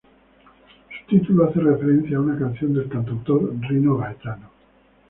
Su título hace referencia a una canción del cantautor Rino Gaetano.